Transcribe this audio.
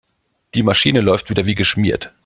Die Maschine läuft wieder wie geschmiert.